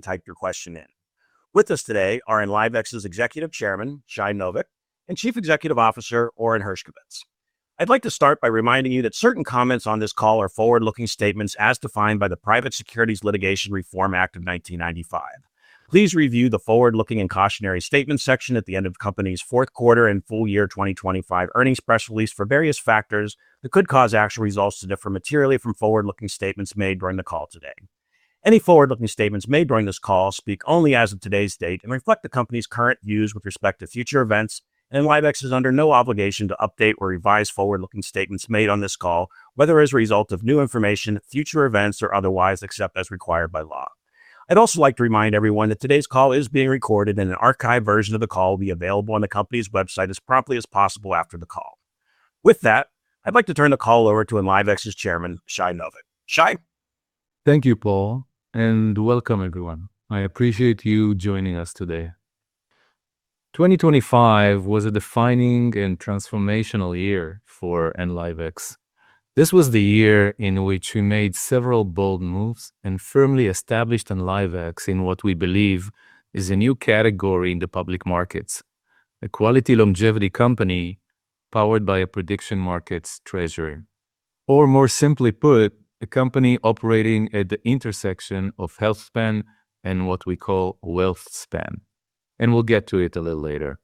Type your question in. With us today are Enlivex's Executive Chairman, Shai Novik, and Chief Executive Officer, Oren Hershkovitz. I'd like to start by reminding you that certain comments on this call are forward-looking statements as defined by the Private Securities Litigation Reform Act of 1995. Please review the forward-looking and cautionary statements section at the end of the company's Q4 and full year 2025 earnings press release for various factors that could cause actual results to differ materially from forward-looking statements made during the call today. Any forward-looking statements made during this call speak only as of today's date and reflect the company's current views with respect to future events, and Enlivex is under no obligation to update or revise forward-looking statements made on this call, whether as a result of new information, future events, or otherwise, except as required by law. I'd also like to remind everyone that today's call is being recorded and an archived version of the call will be available on the company's website as promptly as possible after the call. With that, I'd like to turn the call over to Enlivex's Chairman, Shai Novik. Shai? Thank you, Craig Brelsford, and welcome everyone. I appreciate you joining us today. 2025 was a defining and transformational year for Enlivex. This was the year in which we made several bold moves and firmly established Enlivex in what we believe is a new category in the public markets, a quality longevity company powered by a prediction markets treasury. Or more simply put, a company operating at the intersection of health span and what we call wealth span. We'll get to it a little later.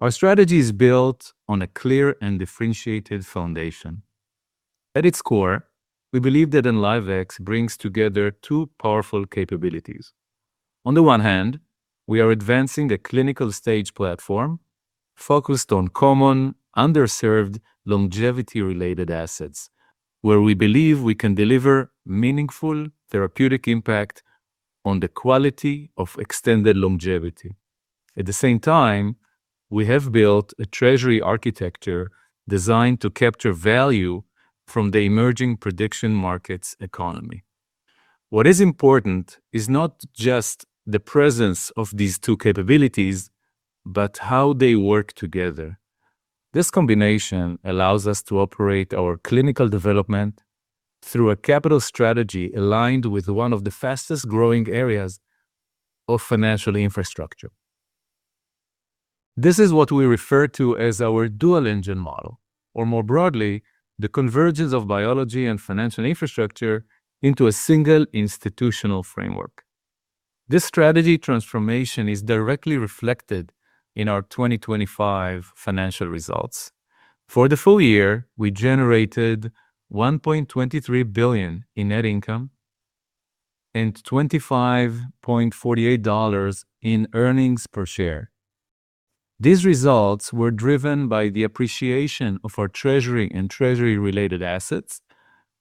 Our strategy is built on a clear and differentiated foundation. At its core, we believe that Enlivex brings together two powerful capabilities. On the one hand, we are advancing a clinical stage platform focused on common, underserved, longevity-related assets, where we believe we can deliver meaningful therapeutic impact on the quality of extended longevity. At the same time, we have built a treasury architecture designed to capture value from the emerging prediction markets economy. What is important is not just the presence of these two capabilities, but how they work together. This combination allows us to operate our clinical development through a capital strategy aligned with one of the fastest-growing areas of financial infrastructure. This is what we refer to as our dual-engine model, or more broadly, the convergence of biology and financial infrastructure into a single institutional framework. This strategy transformation is directly reflected in our 2025 financial results. For the full year, we generated $1.23 billion in net income and $25.48 in earnings per share. These results were driven by the appreciation of our treasury and treasury-related assets,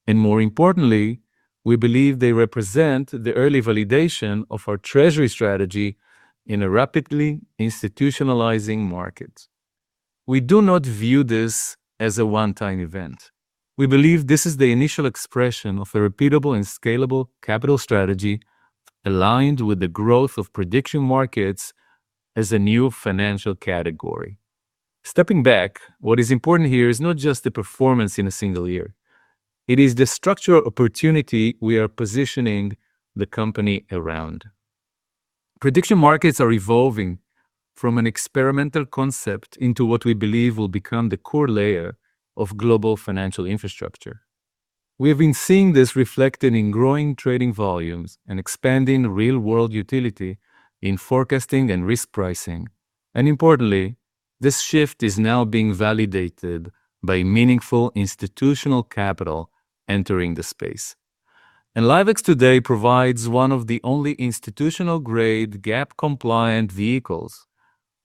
and more importantly, we believe they represent the early validation of our treasury strategy in a rapidly institutionalizing market. We do not view this as a one-time event. We believe this is the initial expression of a repeatable and scalable capital strategy aligned with the growth of prediction markets as a new financial category. Stepping back, what is important here is not just the performance in a single year. It is the structural opportunity we are positioning the company around. Prediction markets are evolving from an experimental concept into what we believe will become the core layer of global financial infrastructure. We have been seeing this reflected in growing trading volumes and expanding real-world utility in forecasting and risk pricing. Importantly, this shift is now being validated by meaningful institutional capital entering the space. Enlivex today provides one of the only institutional-grade GAAP-compliant vehicles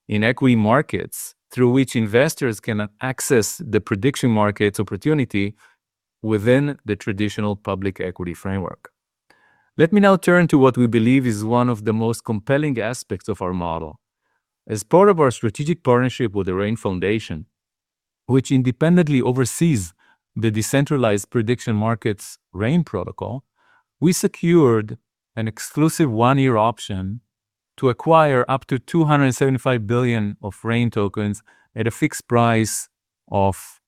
in equity markets through which investors can access the prediction markets opportunity within the traditional public equity framework. Let me now turn to what we believe is one of the most compelling aspects of our model. As part of our strategic partnership with the Rain Foundation, which independently oversees the decentralized prediction markets Rain Protocol, we secured an exclusive one-year option to acquire up to 275 billion Rain tokens at a fixed price of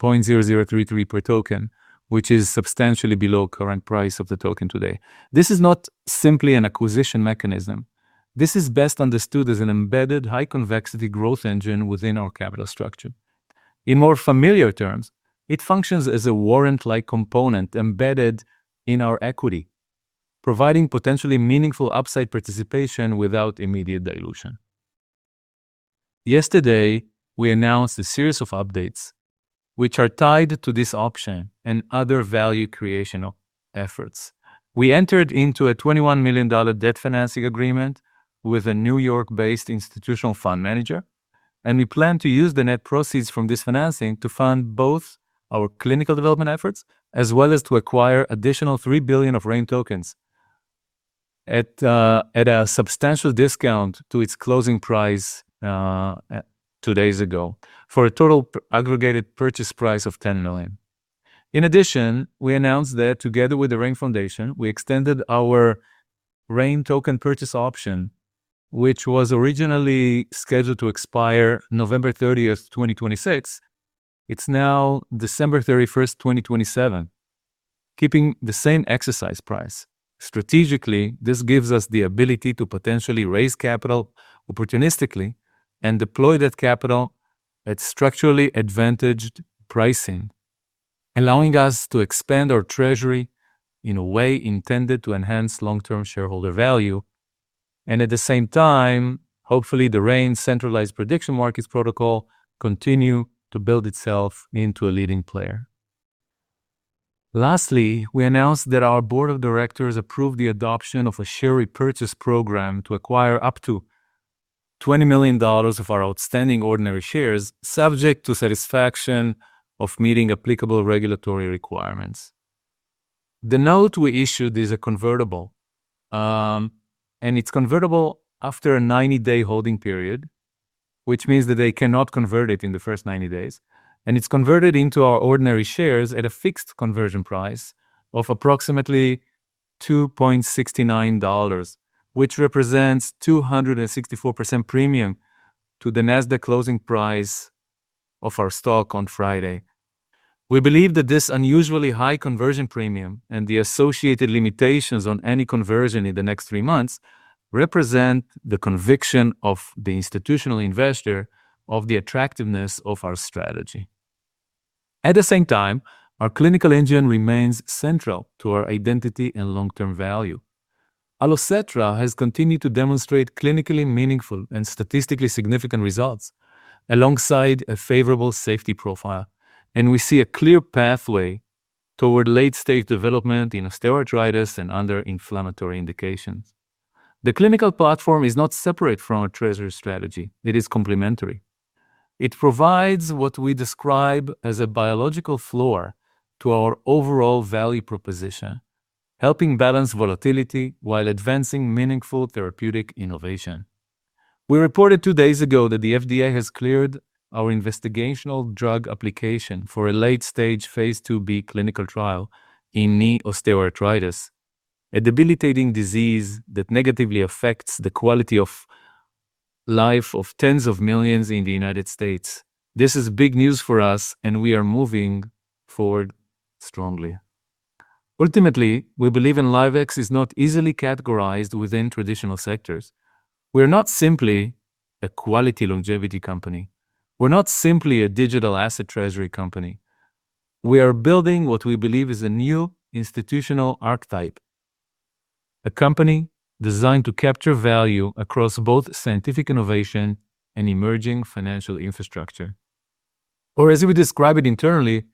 $0.0033 per token, which is substantially below current price of the token today. This is not simply an acquisition mechanism. This is best understood as an embedded high convexity growth engine within our capital structure. In more familiar terms, it functions as a warrant-like component embedded in our equity, providing potentially meaningful upside participation without immediate dilution. Yesterday, we announced a series of updates which are tied to this option and other value creation efforts. We entered into a $21 million debt financing agreement with a New York-based institutional fund manager, and we plan to use the net proceeds from this financing to fund both our clinical development efforts as well as to acquire additional 3 billion RAIN tokens at a substantial discount to its closing price, two days ago for a total aggregated purchase price of $10 million. In addition, we announced that together with the Rain Foundation, we extended our RAIN token purchase option, which was originally scheduled to expire November 30th, 2026. It's now December 31st, 2027. Keeping the same exercise price, strategically, this gives us the ability to potentially raise capital opportunistically and deploy that capital at structurally advantaged pricing, allowing us to expand our treasury in a way intended to enhance long-term shareholder value. At the same time, hopefully the RAIN centralized prediction markets protocol continue to build itself into a leading player. Lastly, we announced that our board of directors approved the adoption of a share repurchase program to acquire up to $20 million of our outstanding ordinary shares, subject to satisfaction of meeting applicable regulatory requirements. The note we issued is a convertible, and it's convertible after a 90-day holding period, which means that they cannot convert it in the first 90 days, and it's converted into our ordinary shares at a fixed conversion price of approximately $2.69, which represents a 264% premium to the Nasdaq closing price of our stock on Friday. We believe that this unusually high conversion premium and the associated limitations on any conversion in the next three months represent the conviction of the institutional investor of the attractiveness of our strategy. At the same time, our clinical engine remains central to our identity and long-term value. Allocetra has continued to demonstrate clinically meaningful and statistically significant results alongside a favorable safety profile, and we see a clear pathway toward late-stage development in osteoarthritis and other inflammatory indications. The clinical platform is not separate from our treasury strategy, it is complementary. It provides what we describe as a biological floor to our overall value proposition, helping balance volatility while advancing meaningful therapeutic innovation. We reported two days ago that the FDA has cleared our investigational drug application for a late-stage Phase IIb clinical trial in knee osteoarthritis, a debilitating disease that negatively affects the quality of life of tens of millions in the United States. This is big news for us, and we are moving forward strongly. Ultimately, we believe Enlivex is not easily categorized within traditional sectors. We're not simply a quality longevity company. We're not simply a digital asset treasury company. We are building what we believe is a new institutional archetype, a company designed to capture value across both scientific innovation and emerging financial infrastructure. as we describe it internally,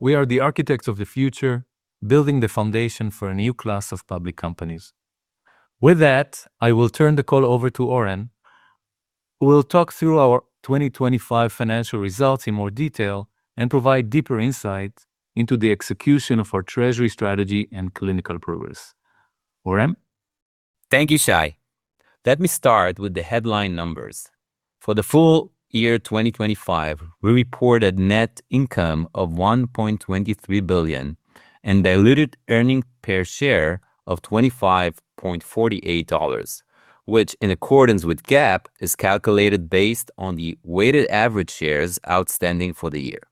we are the architects of the future, building the foundation for a new class of public companies. With that, I will turn the call over to Oren, who will talk through our 2025 financial results in more detail and provide deeper insight into the execution of our treasury strategy and clinical progress. Oren? Thank you, Shai. Let me start with the headline numbers. For the full year 2025, we reported net income of $1.23 billion and diluted earnings per share of $25.48, which, in accordance with GAAP, is calculated based on the weighted average shares outstanding for the year.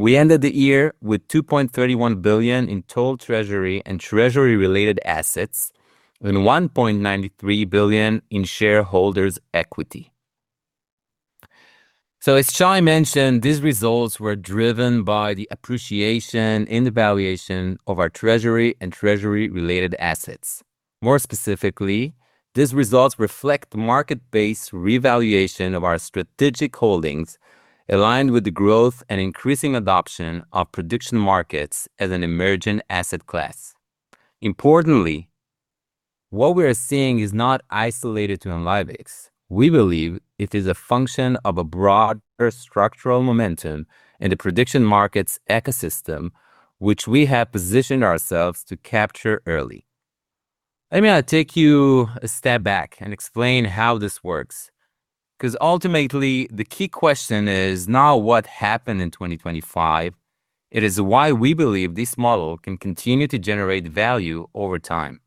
We ended the year with $2.31 billion in total treasury and treasury-related assets and $1.93 billion in shareholders' equity. As Shai mentioned, these results were driven by the appreciation in the valuation of our treasury and treasury-related assets. More specifically, these results reflect market-based revaluation of our strategic holdings aligned with the growth and increasing adoption of prediction markets as an emerging asset class. Importantly, what we are seeing is not isolated to Enlivex. We believe it is a function of a broader structural momentum in the prediction markets ecosystem, which we have positioned ourselves to capture early. Let me take you a step back and explain how this works, 'cause ultimately the key question is not what happened in 2025, it is why we believe this model can continue to generate value over time.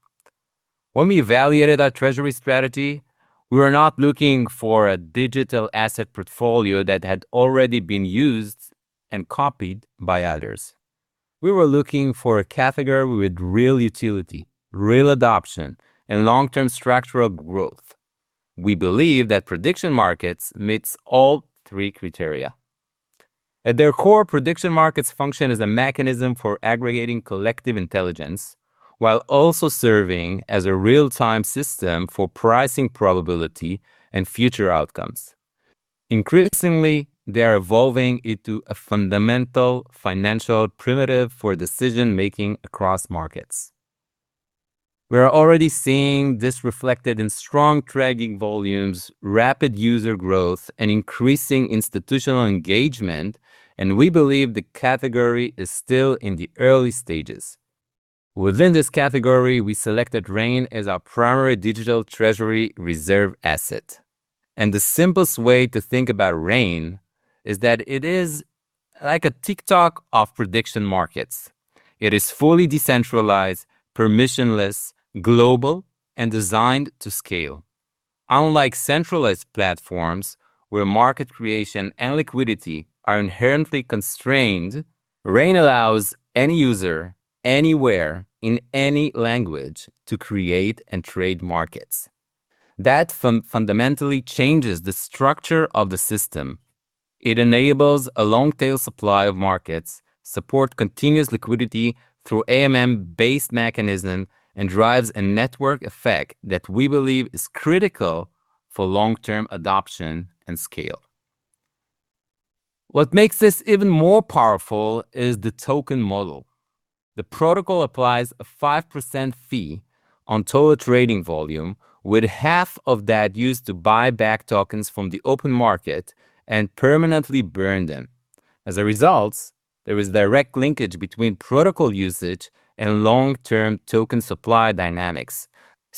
When we evaluated our treasury strategy, we were not looking for a digital asset portfolio that had already been used and copied by others. We were looking for a category with real utility, real adoption, and long-term structural growth. We believe that prediction markets meets all three criteria. At their core, prediction markets function as a mechanism for aggregating collective intelligence while also serving as a real-time system for pricing probability and future outcomes. Increasingly, they are evolving into a fundamental financial primitive for decision-making across markets. We are already seeing this reflected in strong trading volumes, rapid user growth, and increasing institutional engagement, and we believe the category is still in the early stages. Within this category, we selected RAIN as our primary digital treasury reserve asset. The simplest way to think about RAIN is that it is like a TikTok of prediction markets. It is fully decentralized, permissionless, global, and designed to scale. Unlike centralized platforms where market creation and liquidity are inherently constrained, RAIN allows any user anywhere in any language to create and trade markets. That fundamentally changes the structure of the system. It enables a long tail supply of markets, support continuous liquidity through AMM-based mechanism, and drives a network effect that we believe is critical for long-term adoption and scale. What makes this even more powerful is the token model. The protocol applies a 5% fee on total trading volume, with half of that used to buy back tokens from the open market and permanently burn them. As a result, there is direct linkage between protocol usage and long-term token supply dynamics.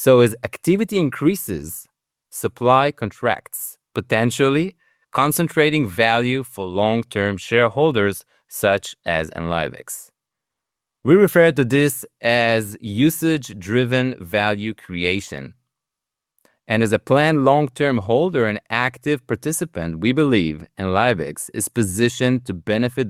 As activity increases, supply contracts, potentially concentrating value for long-term shareholders such as Enlivex. We refer to this as usage-driven value creation, and as a planned long-term holder and active participant, we believe Enlivex is positioned to benefit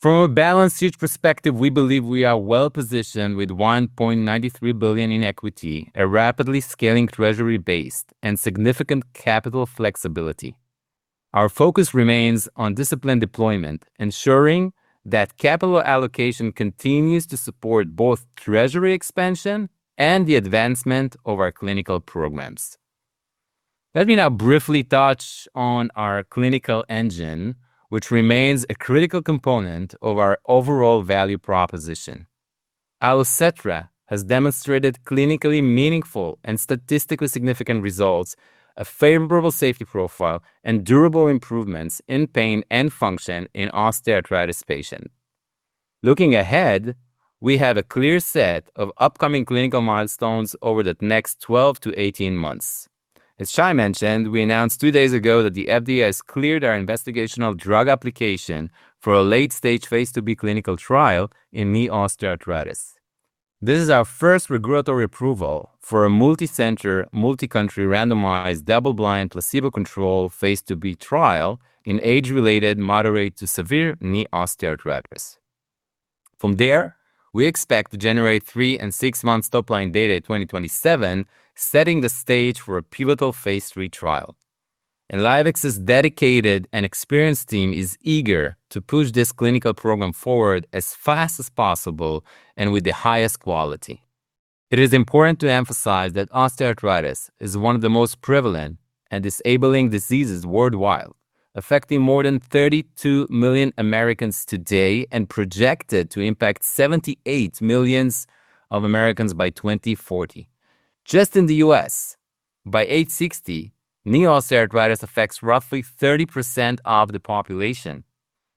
directly from that dynamic. From a balance sheet perspective, we believe we are well positioned with $1.93 billion in equity, a rapidly scaling treasury base, and significant capital flexibility. Our focus remains on disciplined deployment, ensuring that capital allocation continues to support both treasury expansion and the advancement of our clinical programs. Let me now briefly touch on our clinical engine, which remains a critical component of our overall value proposition. Allocetra has demonstrated clinically meaningful and statistically significant results, a favorable safety profile, and durable improvements in pain and function in osteoarthritis patients. Looking ahead, we have a clear set of upcoming clinical milestones over the next 12-18 months. As Shai mentioned, we announced two days ago that the FDA has cleared our investigational drug application for a late-stage Phase IIb clinical trial in knee osteoarthritis. This is our first regulatory approval for a multicenter, multicountry, randomized, double-blind, placebo-controlled phase II-B trial in age-related moderate to severe knee osteoarthritis. From there, we expect to generate three and six-month top-line data in 2027, setting the stage for a pivotal phase III trial. Enlivex's dedicated and experienced team is eager to push this clinical program forward as fast as possible and with the highest quality. It is important to emphasize that osteoarthritis is one of the most prevalent and disabling diseases worldwide, affecting more than 32 million Americans today and projected to impact 78 million Americans by 2040. Just in the U.S., by age 60, knee osteoarthritis affects roughly 30% of the population,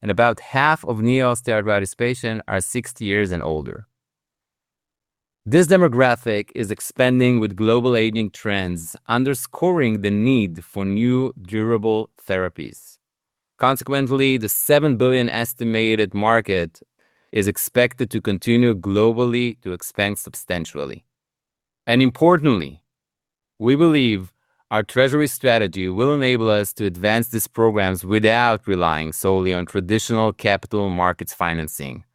and about half of knee osteoarthritis patients are 60 years and older. This demographic is expanding with global aging trends, underscoring the need for new durable therapies. Consequently, the $7 billion estimated market is expected to continue globally to expand substantially. Importantly, we believe our treasury strategy will enable us to advance these programs without relying solely on traditional capital markets financing.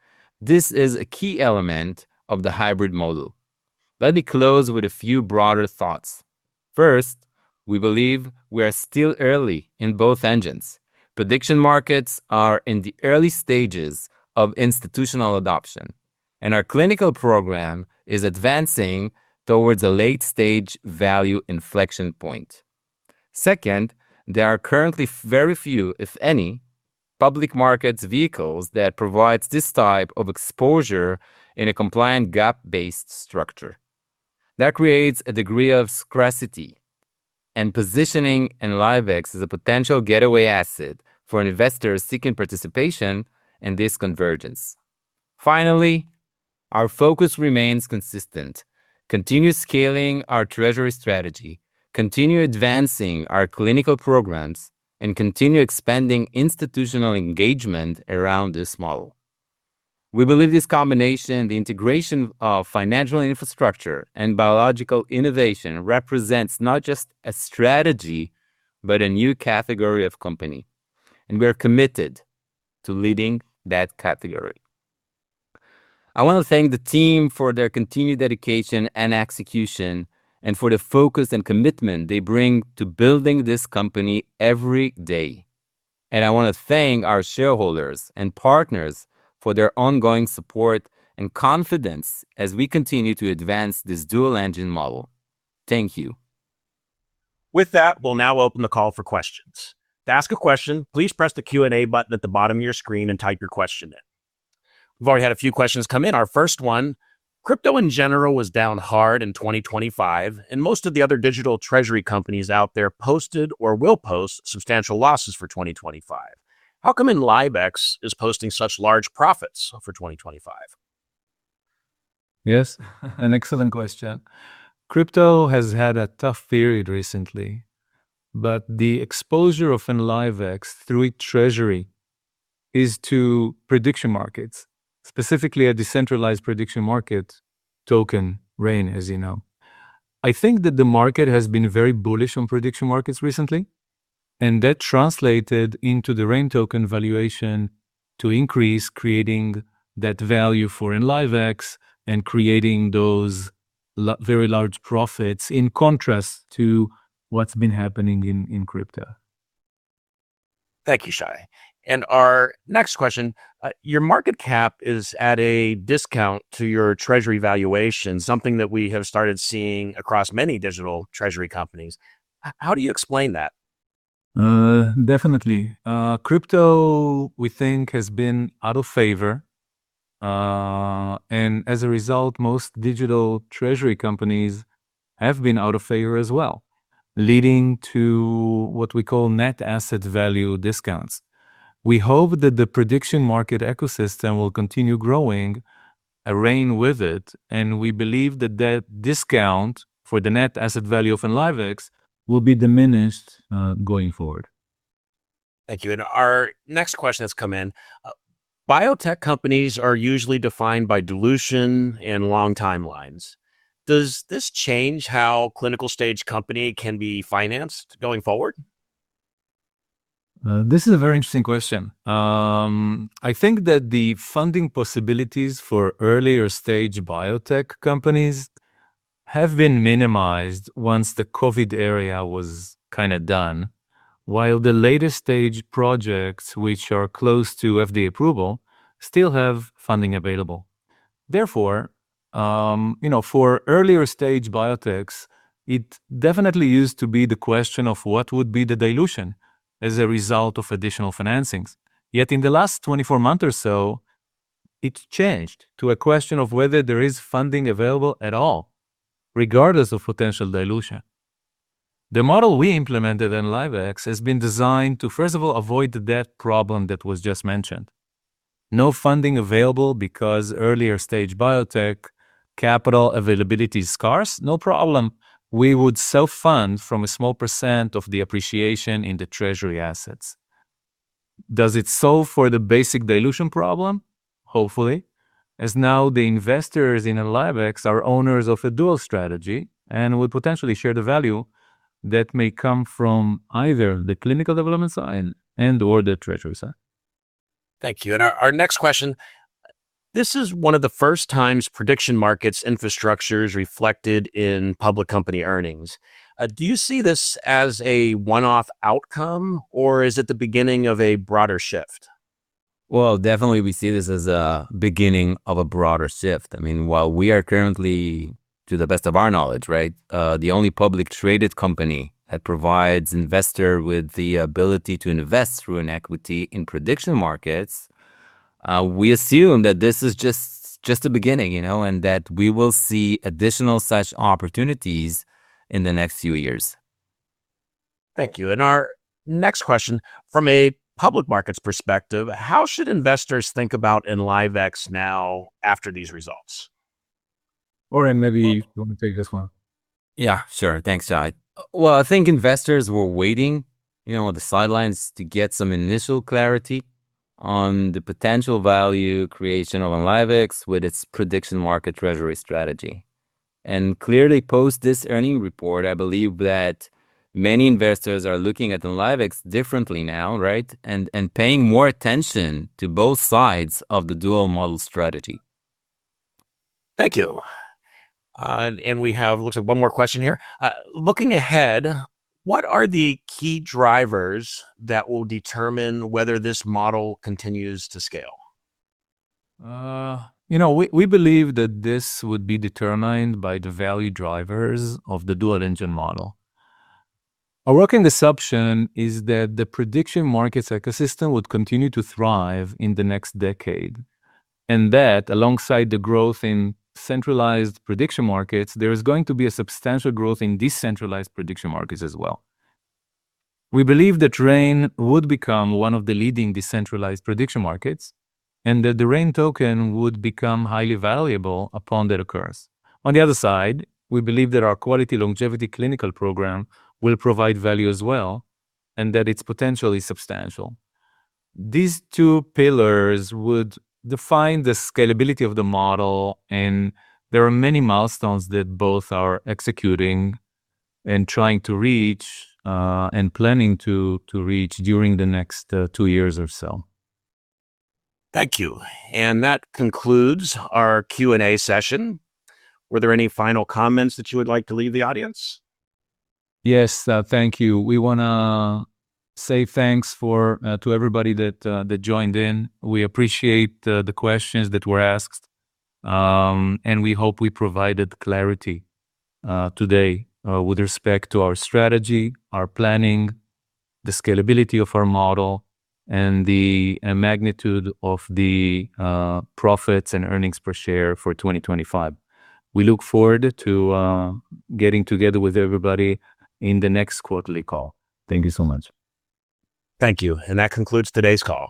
This is a key element of the hybrid model. Let me close with a few broader thoughts. First, we believe we are still early in both engines. Prediction markets are in the early stages of institutional adoption, and our clinical program is advancing towards a late stage value inflection point. Second, there are currently very few, if any, public markets vehicles that provides this type of exposure in a compliant GAAP-based structure. That creates a degree of scarcity and positioning Enlivex as a potential gateway asset for investors seeking participation in this convergence. Finally, our focus remains consistent. Continue scaling our treasury strategy, continue advancing our clinical programs, and continue expanding institutional engagement around this model. We believe this combination, the integration of financial infrastructure and biological innovation, represents not just a strategy, but a new category of company, and we are committed to leading that category. I want to thank the team for their continued dedication and execution and for the focus and commitment they bring to building this company every day. I want to thank our shareholders and partners for their ongoing support and confidence as we continue to advance this dual engine model. Thank you. With that, we'll now open the call for questions. To ask a question, please press the Q&A button at the bottom of your screen and type your question in. We've already had a few questions come in. Our first one, crypto in general was down hard in 2025, and most of the other digital treasury companies out there posted or will post substantial losses for 2025. How come Enlivex is posting such large profits for 2025? Yes, an excellent question. Crypto has had a tough period recently. The exposure of Enlivex through treasury is to prediction markets, specifically a decentralized prediction market token, RAIN, as you know. I think that the market has been very bullish on prediction markets recently, and that translated into the RAIN token valuation to increase, creating that value for Enlivex and creating those very large profits in contrast to what's been happening in crypto. Thank you, Shai. Our next question. Your market cap is at a discount to your treasury valuation, something that we have started seeing across many digital treasury companies. How do you explain that? Definitely. Crypto, we think, has been out of favor. As a result, most digital treasury companies have been out of favor as well, leading to what we call net asset value discounts. We hope that the prediction market ecosystem will continue growing, RAIN with it, and we believe that that discount for the net asset value of Enlivex will be diminished, going forward. Thank you. Our next question that's come in. Biotech companies are usually defined by dilution and long timelines. Does this change how a clinical-stage company can be financed going forward? This is a very interesting question. I think that the funding possibilities for earlier stage biotech companies have been minimized once the COVID era was kinda done, while the later stage projects which are close to FDA approval still have funding available. Therefore, you know, for earlier stage biotechs, it definitely used to be the question of what would be the dilution as a result of additional financings. Yet in the last 24 months or so, it's changed to a question of whether there is funding available at all, regardless of potential dilution. The model we implemented in Enlivex has been designed to, first of all, avoid that problem that was just mentioned. No funding available because earlier stage biotech capital availability is scarce? No problem. We would self-fund from a small percent of the appreciation in the treasury assets. Does it solve for the basic dilution problem? Hopefully. As now the investors in Enlivex are owners of a dual strategy and would potentially share the value that may come from either the clinical development side and/or the treasury side. Thank you. Our next question. This is one of the first times prediction markets infrastructure is reflected in public company earnings. Do you see this as a one-off outcome or is it the beginning of a broader shift? Well, definitely we see this as a beginning of a broader shift. I mean, while we are currently, to the best of our knowledge, right, the only public traded company that provides investor with the ability to invest through an equity in prediction markets, we assume that this is just a beginning, you know, and that we will see additional such opportunities in the next few years. Thank you. Our next question, from a public markets perspective, how should investors think about Enlivex now after these results? Oren, maybe you want to take this one. Yeah, sure. Thanks, Shai. Well, I think investors were waiting, you know, on the sidelines to get some initial clarity on the potential value creation of Enlivex with its prediction market treasury strategy. Clearly, post this earnings report, I believe that many investors are looking at Enlivex differently now, right, paying more attention to both sides of the dual model strategy. Thank you. We have looks like one more question here. Looking ahead, what are the key drivers that will determine whether this model continues to scale? You know, we believe that this would be determined by the value drivers of the dual engine model. Our working assumption is that the prediction markets ecosystem would continue to thrive in the next decade, and that alongside the growth in centralized prediction markets, there is going to be a substantial growth in decentralized prediction markets as well. We believe that RAIN would become one of the leading decentralized prediction markets, and that the RAIN token would become highly valuable upon that occurs. On the other side, we believe that our quality longevity clinical program will provide value as well, and that it's potentially substantial. These two pillars would define the scalability of the model, and there are many milestones that both are executing and trying to reach, and planning to reach during the next two years or so. Thank you. That concludes our Q&A session. Were there any final comments that you would like to leave the audience? Yes. Thank you. We wanna say thanks to everybody that joined in. We appreciate the questions that were asked, and we hope we provided clarity today with respect to our strategy, our planning, the scalability of our model, and the magnitude of the profits and earnings per share for 2025. We look forward to getting together with everybody in the next quarterly call. Thank you so much. Thank you. That concludes today's call.